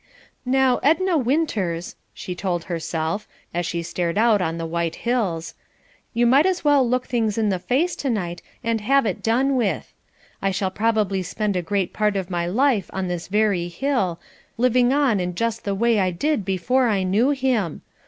"Now, Edna Winters," she told herself, as she stared out on the white hills, "you might as well look things in the face to night and have it done with. I shall probably spend a great part of my life on this very hill, living on in just the way I did before I knew him.